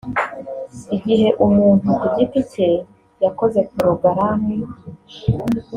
Igihe umuntu ku giti cye yakoze porogaramu